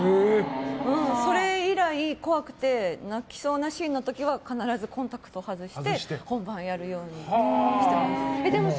それ以来、怖くて泣きそうなシーンの時は必ずコンタクトを外して本番をやるようにしてます。